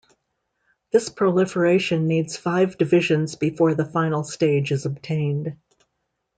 This proliferation needs five divisions before the final stage is obtained.